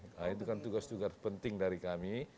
nah itu kan tugas tugas penting dari kami